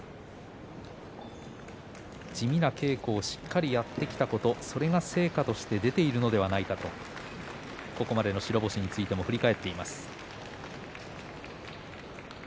地味な稽古をしっかりやってきたこと、それが成果として出ているのではないかとここまでの白星についても振り返っています。